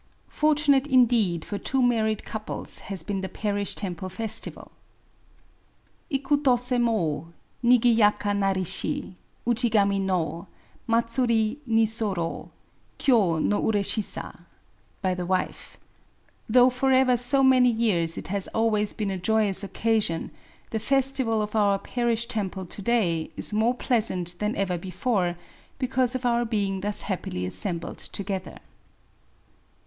Fortunate indtedfor two married couples has been the parish temple festival f Ikutose mo Nigiyaka narishi, Ujigami no, Matsuri ni soro, Kyo no ureshisa. — By the wife. Digitized by Google 102 A WOMAN'S DIARY Though for ever so many years it has always been a joyous occasion^ the festival of our parish^temple to day is mere pleasant than ever before^ because of our being thus happily assembled together.